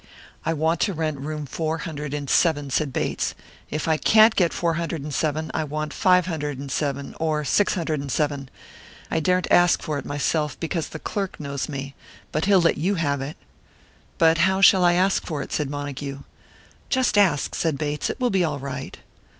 "I want to rent room four hundred and seven," said Bates. "If I can't get four hundred and seven, I want five hundred and seven, or six hundred and seven. I daren't ask for it myself, because the clerk knows me. But he'll let you have it." "But how shall I ask for it?" said Montague. "Just ask," said Bates; "it will be all right."